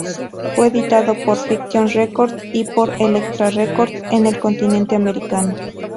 Fue editado por Fiction Records y por Elektra Records en el continente americano.